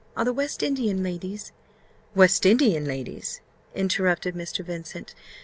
Are the West Indian ladies " "West Indian ladies!" interrupted Mr. Vincent.